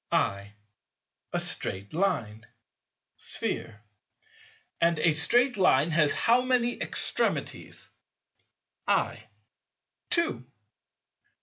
I. A straight Line. Sphere. And a straight Line has how many extremities? I. Two.